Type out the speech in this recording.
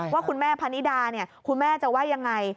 ว่าคุณแม่พนิดาคุณแม่จะว่ายังไง